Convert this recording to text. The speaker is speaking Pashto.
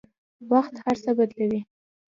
وخت هر څه بدلوي.